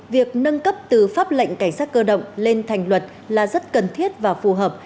việc nâng cấp từ pháp lệnh cảnh sát cơ động lên thành luật là rất cần thiết và phù hợp